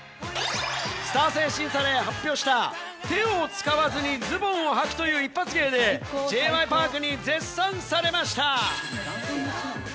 スター性審査で発表した、手を使わずにズボンをはくという一発芸でＪ．Ｙ．Ｐａｒｋに絶賛されました。